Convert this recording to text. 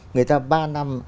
người ta ba năm